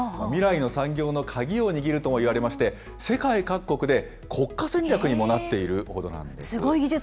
未来の産業の鍵を握るともいわれまして、世界各国で国家戦略にもなっているほどなんです。